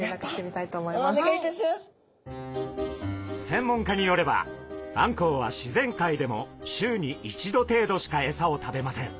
専門家によればあんこうは自然界でも週に１度程度しかエサを食べません。